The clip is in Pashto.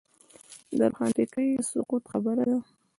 د روښانفکرۍ د سقوط خبره کوو.